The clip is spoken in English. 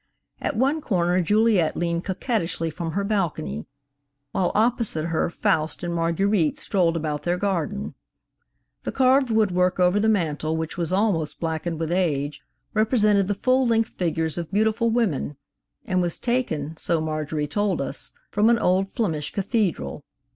At one corner Juliet leaned coquettishly from her balcony, while opposite her Faust and Marguerite strolled about their garden The carved woodwork over the mantel, which was almost blackened with age, represented the full length figures of beautiful women, and was taken, so Marjorie told us, from an old Flemish cathedral.